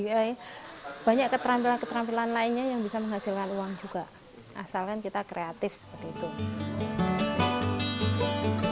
asalkan kita kreatif seperti itu